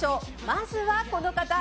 まずはこの方。